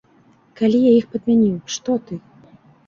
Калі я іх падмяніў, што ты?